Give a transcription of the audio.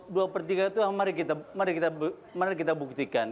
dua per tiga itu yang mari kita buktikan